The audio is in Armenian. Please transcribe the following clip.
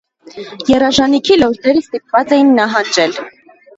Եռաժանիքի լորդերը ստիպված էին նահանջել։